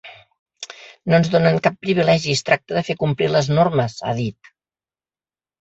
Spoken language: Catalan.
No ens donen cap privilegi, es tracta de fer complir les normes, ha dit.